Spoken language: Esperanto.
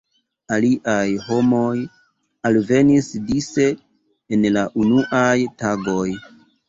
Aliaj homoj alvenis dise en la unuaj tagoj.